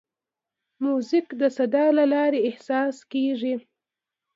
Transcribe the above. موزیک د صدا له لارې احساس څرګندوي.